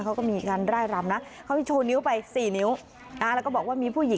เขาก็มีการร่ายรำนะเขาไปโชว์นิ้วไป๔นิ้ว